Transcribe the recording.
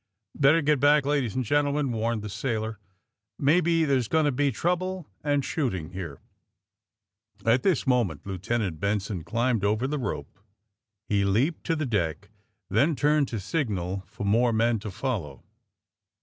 '^Better get back, ladies and gentlemen," warned the sailor. ^^ Maybe there's going to be trouble and shooting here." At this moment Lieutenant Benson climbed over the rope. He leaped to the deck, then turned to signal for more men to follow.